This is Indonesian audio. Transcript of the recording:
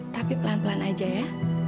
tapi pelan pelan aja ya